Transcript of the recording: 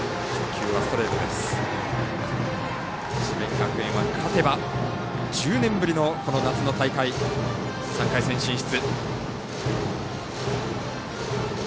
智弁学園は勝てば１０年ぶりのこの夏の大会、３回戦進出。